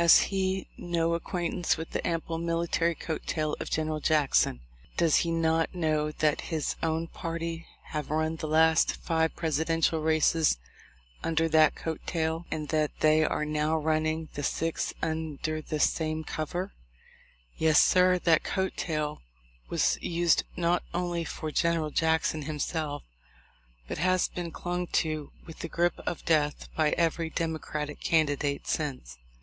Has he no ac quaintance with the ample military coat tail of Gen eral Jackson? Does he not know that his own party have run the last five Presidential races under that coat tail? and that they are now running the sixth under the same cover? Yes, sir, that coat tail was used not only for General Jackson himself, but has been clung to with the grip of death by every Demo cratic candidate since.